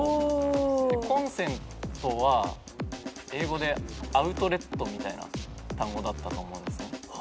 コンセントは英語でアウトレットみたいな単語だったと思うんです。